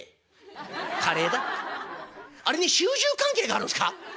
「あれに主従関係があるんですか？